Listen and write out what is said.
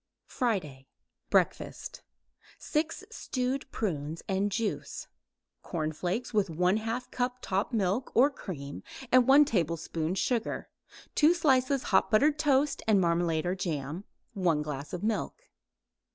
FRIDAY BREAKFAST 6 stewed prunes and juice; cornflakes with 1/2 cup top milk or cream and 1 teaspoon sugar; 2 slices hot buttered toast and marmalade or jam; 1 glass milk.